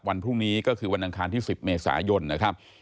วันพรุ่งนี้ก็คือวันอังคารที่๑๐เมษายนนะครับ